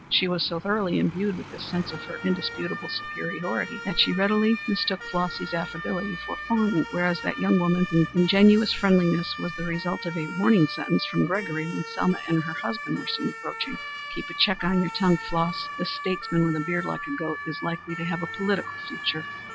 She was so thoroughly imbued with this sense of her indisputable superiority that she readily mistook Flossy's affability for fawning; whereas that young woman's ingenuous friendliness was the result of a warning sentence from Gregory when Selma and her husband were seen approaching "Keep a check on your tongue, Floss. This statesman with a beard like a goat is likely to have a political future."